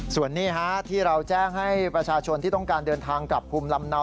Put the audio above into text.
ส่วนนี้ที่เราแจ้งให้ประชาชนที่ต้องการเดินทางกลับภูมิลำเนา